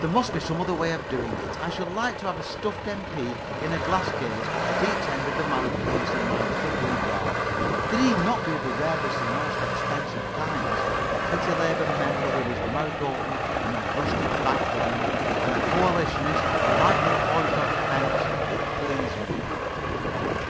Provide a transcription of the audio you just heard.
There must be some way of doing it. I should like to have a stuffed M.P. in a glass case at each end of the mantelpiece in my little boudoir. They need not be of the rarest and most expensive kinds. A pretty Labour Member with his mouth open and a rustic background, and a Coalitionist lightly poised on the fence, would please me.